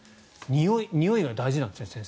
においが大事なんですね、先生。